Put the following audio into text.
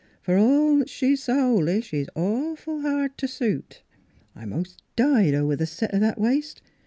For all she's s' holy she's awful hard t' suit. I mos' died over the set o' that waist.